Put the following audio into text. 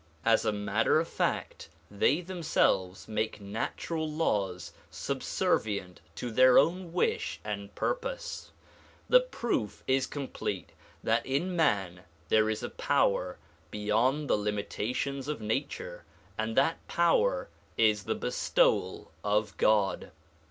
As a matter of fact they themselves make natural laws subservient to their own wish and purpose. The proof is complete that in man there is a power beyond the limitations of nature, and that power is the bestowal of God.